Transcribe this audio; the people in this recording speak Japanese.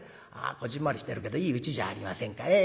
「こぢんまりしてるけどいいうちじゃありませんか」。